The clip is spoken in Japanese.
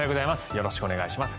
よろしくお願いします。